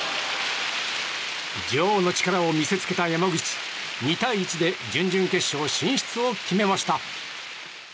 女王の力を見せつけた山口２対１で準々決勝進出を決めました。